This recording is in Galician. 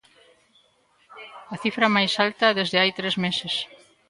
A cifra máis alta desde hai tres meses.